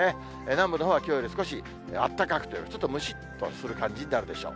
南部のほうはきょうより少しあったかくというより、ちょっとむしっとする感じになるでしょう。